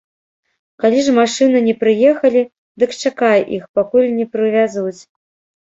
Калі ж машыны не прыехалі, дык чакай іх, пакуль не прывязуць.